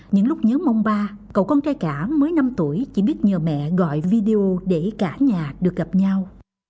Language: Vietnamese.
những lúc nhớ mong ba cậu con trai cả mới năm tuổi chỉ biết nhờ mẹ gọi video để cả nhà được gặp nhau